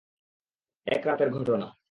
এক রাতের ঘটনা।